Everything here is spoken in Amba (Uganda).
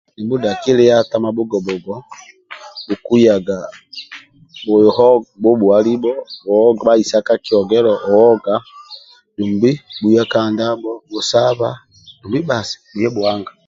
Nibhudhaki liyaga tamabhugo-bhugo bhukuyaga bhuo bhubhuwa libho bhaisa libho ka kioghelo bhuwoga dumbi bhuya ka ndabho bhusaba dumbi bbasi bhuya bhuanga